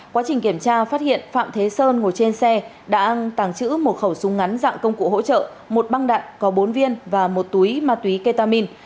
quá trình kiểm tra phát hiện phạm thế sơn ngồi trên xe đã tàng trữ một khẩu súng ngắn dạng công cụ hỗ trợ một băng đạn có bốn viên và một túi ma túy ketamin